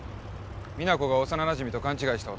実那子が幼なじみと勘違いした男。